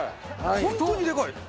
本当にでかい。